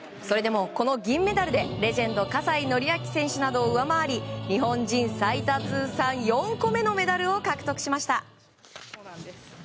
それでも、この銀メダルでレジェンド葛西紀明選手などを上回り、日本人最多通算４個目のメダルを獲得しました。